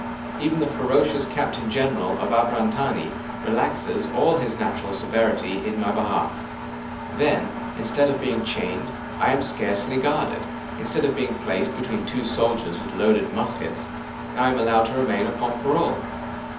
Even the ferocious Captain General of Abrantani relaxes all his natural severity in my behalf. Then, instead of being chained, I am scarcely guarded: instead of being placed between two soldiers with loaded muskets, I am allowed to remain upon parole.